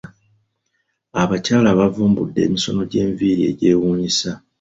Abakyala bavumbudde emisono gy’enviri egyewuunyisa.